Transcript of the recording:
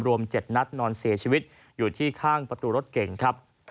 รวม๗นัดนอนเสียชีวิตอยู่ที่ข้างประตูรถเก่งครับ